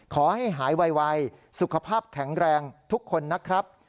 ขอให้หายไวสุขภาพแข็งแรงทุกคนนะครับ